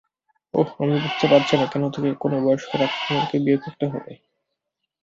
ওহ, আমি বুঝতে পারছিনা কেন তাকে কোন বয়স্ক রাজকুমারকে বিয়ে করতে হবে।